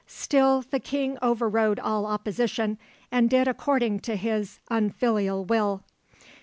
Still the King overrode all opposition, and did according to his unfilial will.